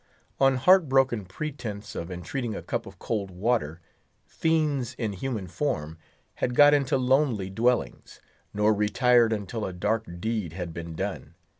On heart broken pretense of entreating a cup of cold water, fiends in human form had got into lonely dwellings, nor retired until a dark deed had been done.